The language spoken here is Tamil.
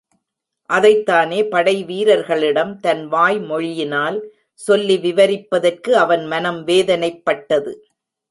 அதைத் தானே படை வீரர்களிடம் தன் வாய்மொழியினால் சொல்லி விவரிப்பதற்கு அவன் மனம் வேதனைப்பட்டது.